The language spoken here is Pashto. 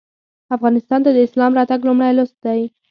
افغانستان ته د اسلام راتګ لومړی لوست دی.